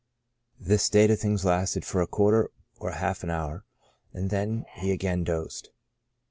This state of things lasted for a quarter or half an hour, and then he again dozed.